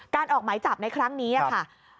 ออกหมายจับในครั้งนี้ค่ะ